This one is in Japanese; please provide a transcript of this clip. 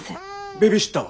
ベビーシッターは？